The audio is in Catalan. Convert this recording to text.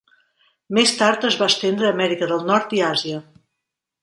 Més tard es va estendre a Amèrica del Nord i Àsia.